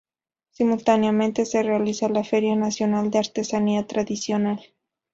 Simultáneamente se realiza la Feria Nacional de Artesanía Tradicional.